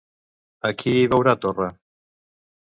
A qui hi veurà Torra?